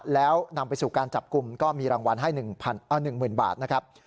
แล้วนำไปสู่การจับกลุ่มก็มีรางวัลให้๑๐๐๐บาทนะครับ